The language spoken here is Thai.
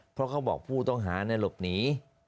เพราะเขาบอกผู้ต้องหาหลบหนี